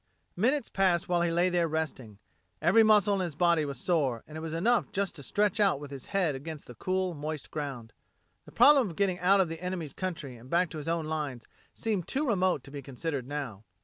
Minutes passed while he lay there resting. Every muscle in his body was sore, and it was enough just to stretch out with his head against the cool moist ground. The problem of getting out of the enemy's country and back to his own lines seemed too remote to be considered now.